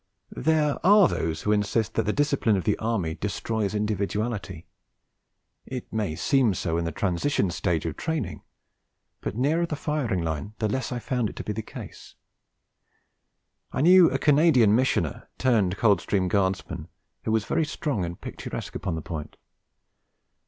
There are those who insist that the discipline of the Army destroys individuality; it may seem so in the transition stage of training, but the nearer the firing line the less I found it to be the case. I knew a Canadian missioner, turned Coldstream Guardsman, who was very strong and picturesque upon the point.